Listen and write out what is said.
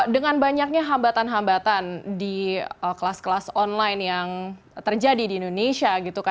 dengan banyaknya hambatan hambatan di kelas kelas online yang terjadi di indonesia